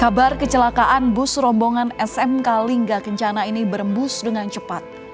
kabar kecelakaan bus rombongan smk lingga kencana ini berembus dengan cepat